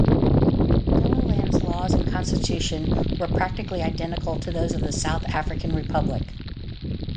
Stellaland's laws and constitution were practically identical to those of the South African Republic.